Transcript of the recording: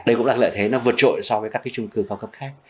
đây cũng là lợi thế nó vượt trội so với các cái trung cư cao cấp khác